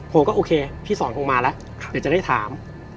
โอเคก็โอเคพี่สอนคงมาแล้วเดี๋ยวจะได้ถาม